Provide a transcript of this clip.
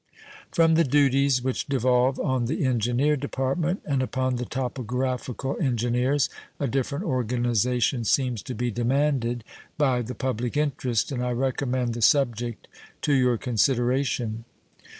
From the duties which devolve on the Engineer Department and upon the topographical engineers, a different organization seems to be demanded by the public interest, and I recommend the subject to your consideration.